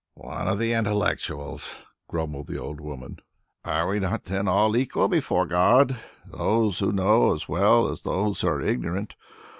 "One of the intellectuals!" grumbled the old woman. "Are we not then all equal before God, those who know as well as those who are ignorant.